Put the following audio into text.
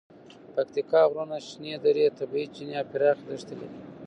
پکتیکا غرونه، شنې درې، طبیعي چینې او پراخې دښتې لري.